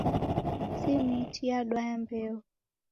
Simiti yadwaya mbeo